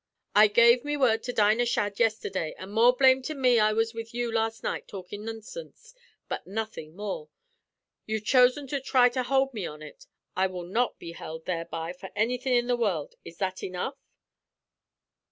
I gave me word to Dinah Shadd yesterday, an' more blame to me I was with you last night talkin' nonsinse, but nothin' more. You've chosen to thry to hould me on ut. I will not be held thereby for any thin' in the world. Is that enough?'